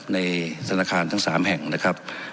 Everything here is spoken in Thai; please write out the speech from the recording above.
ในธนาคารทั้ง๓แห่งนะครับ